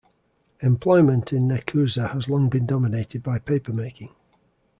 Employment in Nekoosa has long been dominated by paper making.